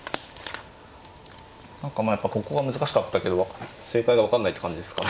何かまあやっぱここが難しかったけど正解が分かんないって感じですか。